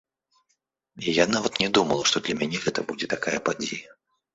І я нават не думала, што для мяне гэта будзе такая падзея!